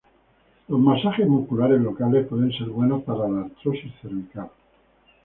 Los masajes musculares locales pueden ser buenos para la artrosis cervical.